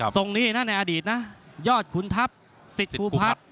หนี้นะในอดีตนะยอดขุนทัพสิทธิภูพัฒน์